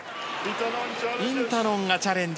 インタノンがチャレンジ。